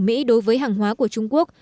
mỹ đối với hàng hóa của trung quốc